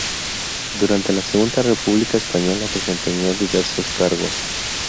Durante la Segunda República Española desempeñó diversos cargos.